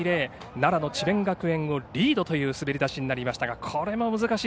奈良の智弁学園をリードという滑り出しになりました。